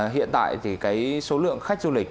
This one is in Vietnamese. hiện tại thì số lượng khách du lịch